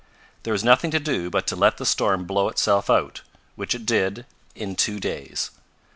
There was nothing to do but to let the storm blow itself out, which it did in two days.